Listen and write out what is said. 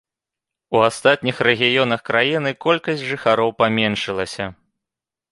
У астатніх рэгіёнах краіны колькасць жыхароў паменшылася.